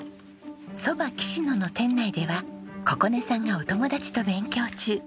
蕎麦きし野の店内では心音さんがお友達と勉強中。